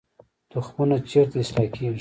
تخمونه چیرته اصلاح کیږي؟